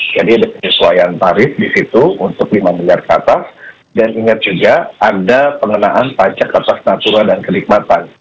jadi ada penyesuaian tarif di situ untuk lima miliar katas dan ingat juga ada pengenaan pajak atas natura dan kenikmatan